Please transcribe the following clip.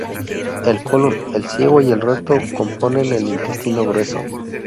El colon, el ciego y el recto componen el intestino grueso.